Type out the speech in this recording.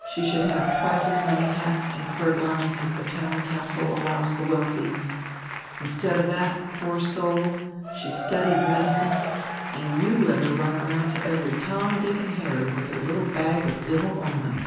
She should have twice as many hats and fur garments as the town council allows the wealthy. Instead of that, poor soul, she studied medicine, and you let her run around to every Tom, Dick, and Harry with her little bag of ill omen."